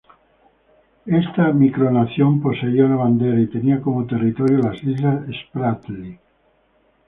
Esta micronación poseía una bandera y tenía como territorio las islas Spratly.